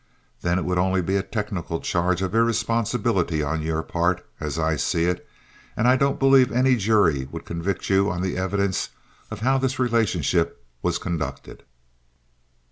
Then it would only be a technical charge of irresponsibility on your part, as I see it, and I don't believe any jury would convict you on the evidence of how this relationship was conducted.